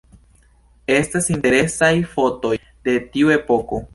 Estas interesaj fotoj de tiu epoko.